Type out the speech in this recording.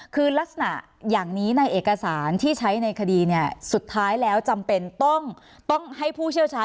คือลักษณะอย่างนี้ในเอกสารที่ใช้ในคดีเนี่ยสุดท้ายแล้วจำเป็นต้องให้ผู้เชี่ยวชาญ